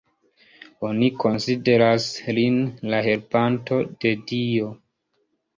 Oni konsideras lin la helpanto de Dio.